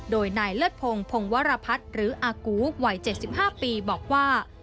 โดยนายเลิศพงพงวรพัฒน์หรืออากูวัย๗๕ปีบอกว่า